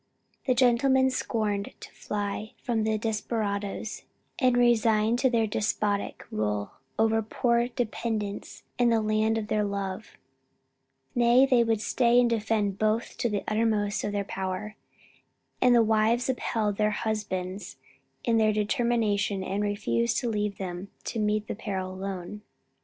The gentlemen scorned to fly from the desperadoes and resign to their despotic rule their poor dependents and the land of their love; nay they would stay and defend both to the utmost of their power; and the wives upheld their husbands in their determination and refused to leave them to meet the peril alone.